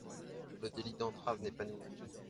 Le délit d’entrave n’est pas nouveau.